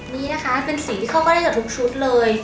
นี่นะคะเป็นสีที่เข้ามาได้เกือบทุกชุดเลย